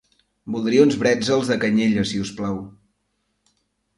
Voldria uns brètzels de canyella, si us plau.